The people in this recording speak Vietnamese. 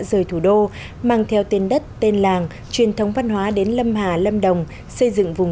rời thủ đô mang theo tên đất tên làng truyền thống văn hóa đến lâm hà lâm đồng xây dựng vùng